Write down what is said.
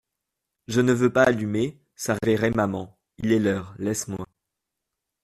Je ne veux pas allumer, ça réveillerait maman … Il est l'heure, laisse-moi.